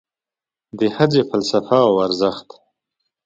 د ښځې فلسفه او ارزښت